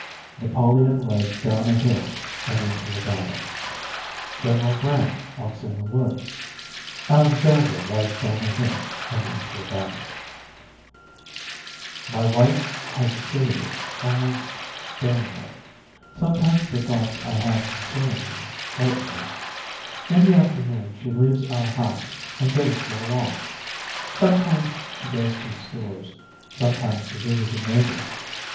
Napoleon rides down a hill and into a battle. General Grant walks in a wood. Alexander rides down a hill and into a battle. My wife has a serious, almost stern look. Sometimes the thoughts I have concerning her frighten me. In the afternoon she leaves our house and goes for a walk. Sometimes she goes to stores, sometimes to visit a neighbor.